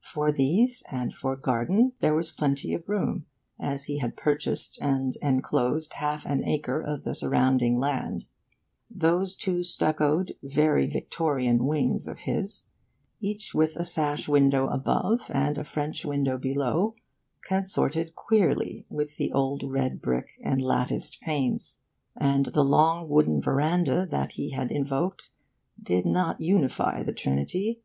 For these, and for garden, there was plenty of room, as he had purchased and enclosed half an acre of the surrounding land Those two stuccoed, very Victorian wings of his, each with a sash window above and a French window below, consorted queerly with the old red brick and the latticed panes. And the long wooden veranda that he had invoked did not unify the trinity.